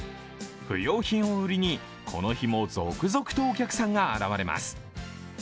不用品を売りに、この日も続々とお客さんが現れます。